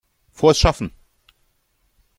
Frohes Schaffen!